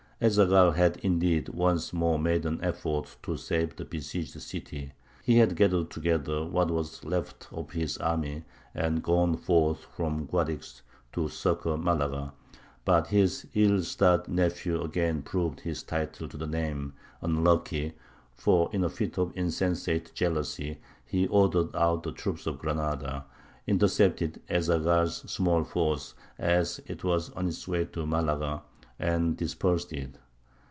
Ez Zaghal had, indeed, once more made an effort to save the besieged city. He had gathered together what was left of his army and gone forth from Guadix to succour Malaga; but his ill starred nephew again proved his title to the name "Unlucky," for in a fit of insensate jealousy he ordered out the troops of Granada, intercepted Ez Zaghal's small force as it was on its way to Malaga, and dispersed it.